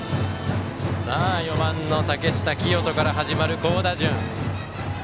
４番の竹下聖人から始まる好打順。